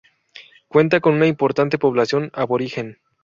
Cuenta con una importante población aborigen.